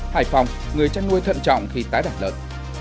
hải phòng người trách nuôi thận trọng khi tái đạt lớn